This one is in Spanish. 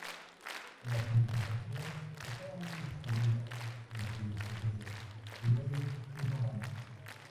La purificación estaba muy extendida entre los hebreos, griegos y romanos.